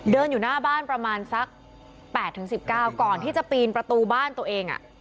เดินอยู่หน้าบ้านประมาณสัก๘๑๙ก่อนที่จะปีนประตูบ้านตัวเอง